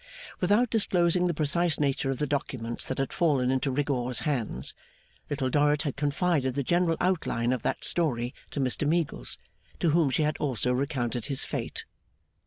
Without disclosing the precise nature of the documents that had fallen into Rigaud's hands, Little Dorrit had confided the general outline of that story to Mr Meagles, to whom she had also recounted his fate.